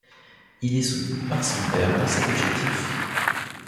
Il est soutenu par son père dans cet objectif.